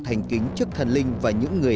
thành kính trước thần linh và những người